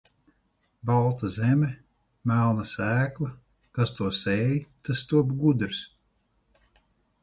Balta zeme, melna sēkla, kas to sēj, tas top gudrs.